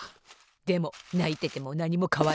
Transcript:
でもないててもなにもかわらない！